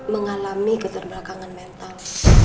mengalami keterbakangan mental